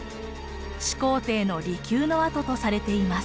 始皇帝の離宮の跡とされています。